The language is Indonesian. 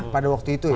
pada waktu itu ya